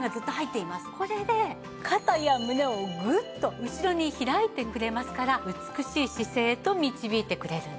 これで肩や胸をグッと後ろに開いてくれますから美しい姿勢へと導いてくれるんです。